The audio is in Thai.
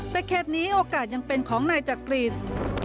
แต่เขตนี้โอกาสยังเป็นของนายจักริต